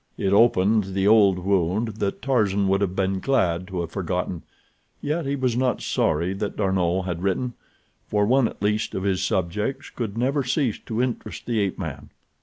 It opened the old wound that Tarzan would have been glad to have forgotten; yet he was not sorry that D'Arnot had written, for one at least of his subjects could never cease to interest the ape man.